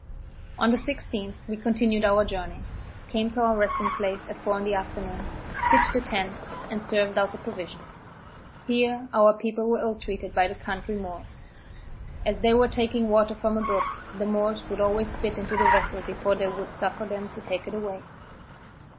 On the 16th, we continued our journey, came to our resting place at four in the afternoon, pitched the tents, and served out the provision. Here our people were ill treated by the country Moors. As they were taking water from a brook, the Moors would always spit into the vessel before they would suffer them to take it away.